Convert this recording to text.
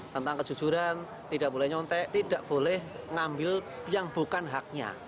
tentang kejujuran tidak boleh nyontek tidak boleh ngambil yang bukan haknya